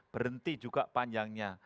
berhenti juga panjangnya